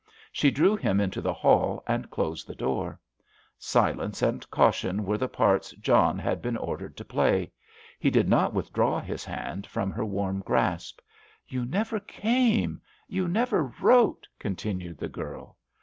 She drew him into the hall and closed the door. Silence and caution were the parts John had been ordered to play. He did not withdraw his hand from her warm grasp. "You never came, you never wrote," continued the girl.